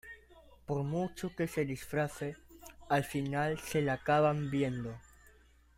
por mucho que se disfrace, al final se le acaban viendo